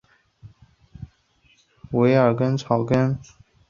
直萼虎耳草为虎耳草科虎耳草属下的一个种。